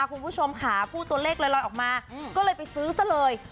คุณผู้ชมค่ะพูดตัวเลขลอยออกมาก็เลยไปซื้อซะเลย